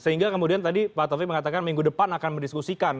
sehingga kemudian tadi pak taufik mengatakan minggu depan akan mendiskusikan